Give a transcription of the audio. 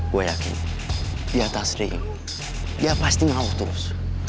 gue yakin di atas ring dia pasti ngawuk terus